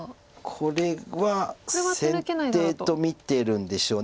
これは先手と見てるんでしょう。